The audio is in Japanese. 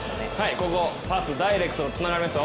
ここパス、ダイレクトでつながりますよ。